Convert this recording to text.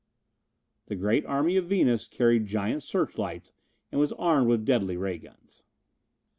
The great army of Venus carried giant searchlights and was armed with deadly ray guns.